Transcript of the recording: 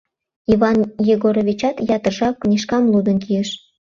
Иван Егоровичат ятыр жап книжкам лудын кийыш.